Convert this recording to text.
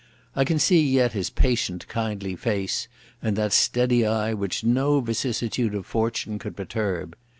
I can see yet his patient, kindly face and that steady eye which no vicissitude of fortune could perturb.